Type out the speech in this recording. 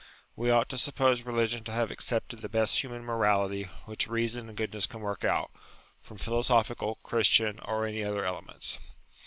We ought to suppose religion to have accepted the best human morality which reason and goodness can work out, from philosophical, Christian, or any other elements.